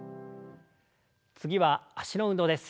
次は脚の運動です。